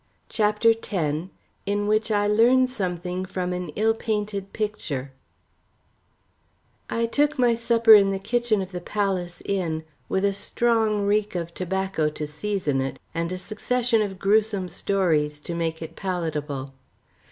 CHAPTER X IN WHICH I LEARN SOMETHING FROM AN ILL PAINTED PICTURE I took my supper in the kitchen of the Palace Inn, with a strong reek of tobacco to season it, and a succession of gruesome stories to make it palatable.